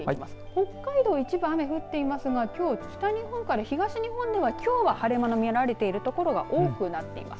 北海道、一部雨が降っていますが北日本から東日本では、きょうは晴れ間が見られている所が多くなっています。